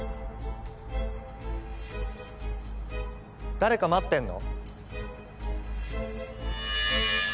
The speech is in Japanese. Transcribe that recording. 誰か待ってんの？